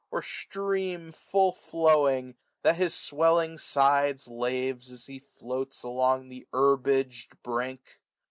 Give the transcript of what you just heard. Or stream full flowing, that his swelling sides Laves, as he floate along the herbag'd brink.